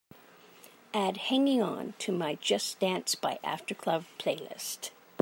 Add Hanging On to my just dance by aftercluv playlist.